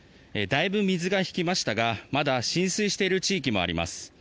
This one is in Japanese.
だいぶ水が引きましたがまだ浸水している地域もあります。